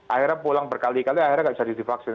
akhirnya pulang berkali kali akhirnya gak bisa divaksin